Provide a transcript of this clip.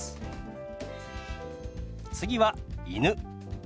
次は「犬」。